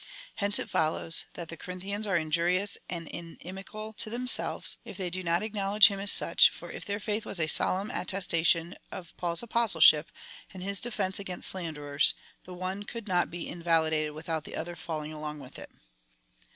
Hence it follows, that the Corinthians are injurious and inimical to themselves, if they do not acknowledge him as such, for if their faith was a solemn attestation of Paul's Apostleship, and his defence, against slanderers, the one could not be in validated without the other falling along Avith it.